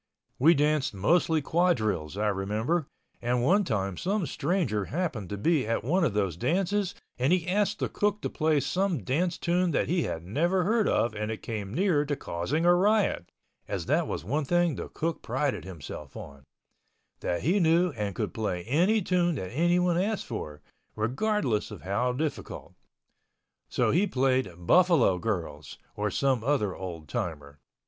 We danced mostly quadrilles, I remember, and one time some stranger happened to be at one of those dances and he asked the cook to play some dance tune that he never heard of and it came near to causing a riot, as that was one thing the cook prided himself on—that he knew and could play any tune that anyone asked for, regardless of how difficult. So he played "Buffalo Girls," or some other old timer.